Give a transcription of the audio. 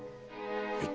はい。